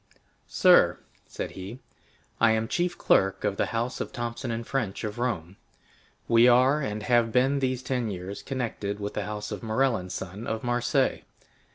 "Sir," said he, "I am chief clerk of the house of Thomson & French, of Rome. We are, and have been these ten years, connected with the house of Morrel & Son, of Marseilles.